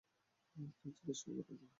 কেউ জিজ্ঞেসাও করবে না।